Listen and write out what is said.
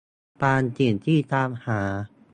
บางสิ่งที่ตามหา